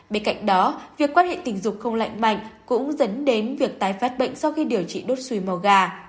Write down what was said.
bên cạnh đó việc quan hệ tình dục không lạnh mạnh cũng dẫn đến việc tái phát bệnh sau khi điều trị đốt xì mò gà